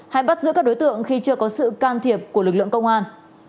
hay bắt giữ các đối tượng khi chưa có sự can thiệp của lực lượng công an